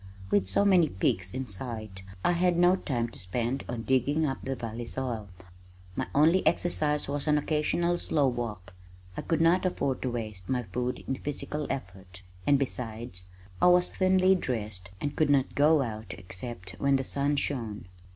With so many peaks in sight, I had no time to spend on digging up the valley soil. My only exercise was an occasional slow walk. I could not afford to waste my food in physical effort, and besides I was thinly dressed and could not go out except when the sun shone.